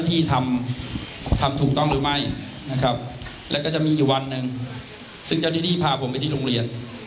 นะครับแล้วก็จะมีอีกวันหนึ่งซึ่งเจ้าที่ดีพาผมไปที่โรงเรียน